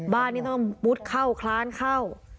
บ้านนี้ต้องมุดเข้าคลานเข้า